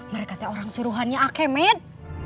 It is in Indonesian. mereka kata orang suruhannya al kemet